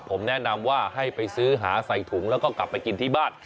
ผมแนะนำว่าให้ไปซื้อหาใส่ถุงแล้วก็กลับไปกินที่บ้าน